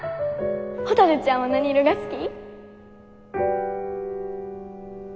ほたるちゃんは何色が好き？